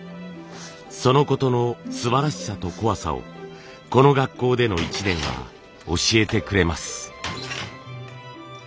そのことのすばらしさと怖さをこの学校での一年は教えてくれます。